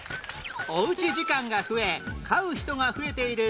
おうち時間が増え